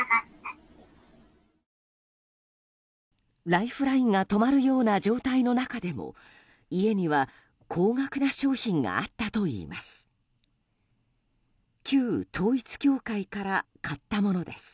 ライフラインが止まるような状況の中でも家には高額な商品があったといいます。